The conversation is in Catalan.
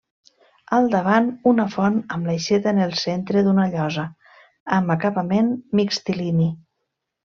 Al davant una font amb l'aixeta en el centre d'una llosa, amb acabament mixtilini.